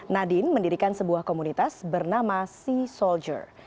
nadine mendirikan sebuah komunitas bernama sea soldier